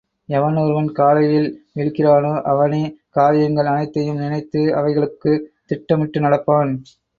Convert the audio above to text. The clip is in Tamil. எவன் ஒருவன் காலையில் விழிக்கிறானோ, அவனே காரியங்கள் அனைத்தையும் நினைத்து, அவைகளுக்காகத் திட்டமிட்டு நடப்பான்.